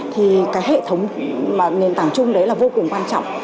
thì cái hệ thống nền tảng chung đấy là vô cùng quan trọng